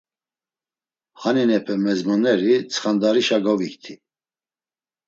Haninepe mezmoneri tsxandarişa govikti.